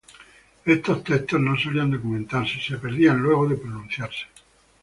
Estos textos no solían documentarse, y se perdían luego de pronunciarse.